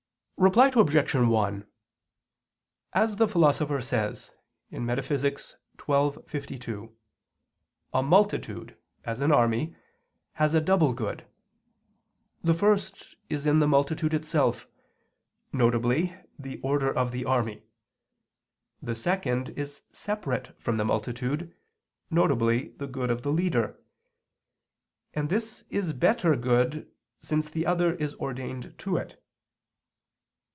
Reply Obj. 1: As the Philosopher says (Metaph. xii, text. 52), a multitude, as an army, has a double good; the first is in the multitude itself, viz. the order of the army; the second is separate from the multitude, viz. the good of the leader and this is better good, since the other is ordained to it.